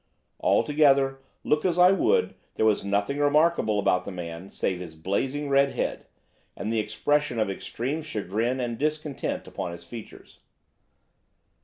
Altogether, look as I would, there was nothing remarkable about the man save his blazing red head, and the expression of extreme chagrin and discontent upon his features.